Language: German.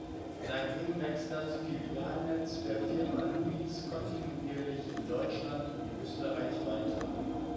Seitdem wächst das Filialnetz der Firma Louis kontinuierlich in Deutschland und Österreich weiter.